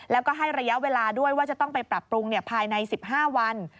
แล้วก็ให้ระยะเวลาด้วยว่าจะต้องไปปรับปรุงภายใน๑๕วัน